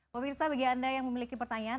pemirsa bagi anda yang memiliki pertanyaan